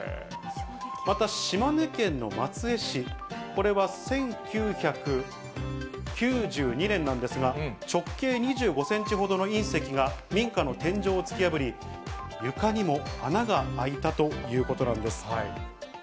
また島根県の松江市、これは１９９２年なんですが、直径２５センチほどの隕石が民家の天井を突き破り、床にも穴が開いたということなんです。